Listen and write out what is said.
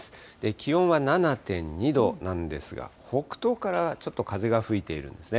気温は７．２度なんですが、北東からちょっと風が吹いているんですね。